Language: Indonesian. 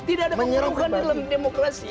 tidak ada penyeluruhan dalam demokrasi